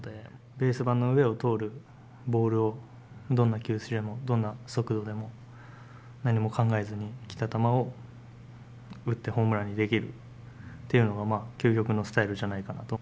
ベース板の上を通るボールをどんな球種でもどんな速度でも何も考えずに来た球を打ってホームランにできるっていうのがまあ究極のスタイルじゃないかなと。